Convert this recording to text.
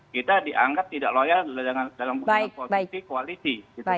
kita dianggap tidak loyal dalam posisi koalisi